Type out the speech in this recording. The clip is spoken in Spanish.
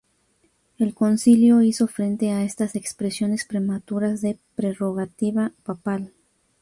El concilio hizo frente a estas expresiones prematuras de prerrogativa papal.